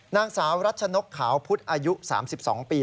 นางสาวรัชนกขาวพุทธอายุ๓๒ปี